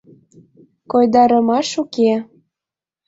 Койдарымаш уке.